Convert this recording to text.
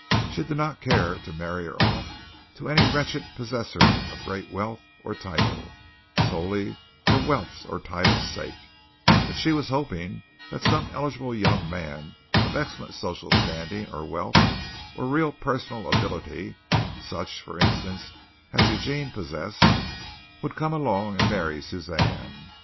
She did not care to marry her off to any wretched possessor of great wealth or title, solely for wealth's or title's sake, but she was hoping that some eligible young man of excellent social standing or wealth, or real personal ability, such, for instance, as Eugene possessed, would come along and marry Suzanne.